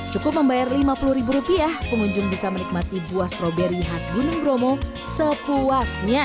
cukup membayar lima puluh rupiah pengunjung bisa menikmati buah stroberi khas gunung bromo sepuasnya